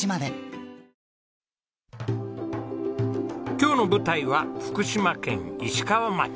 今日の舞台は福島県石川町。